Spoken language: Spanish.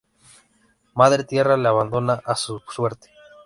Madre Tierra le abandona a su suerte.